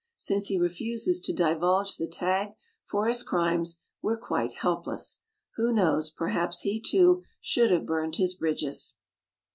Since he refuses to divulge the tag for his crimes, we're quite helpless. Who knows; perhaps he, too, should have burned his bridges.